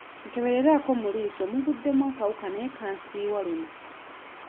Nkeberaako mu liiso muguddemu akawuka naye kansiiwa luno.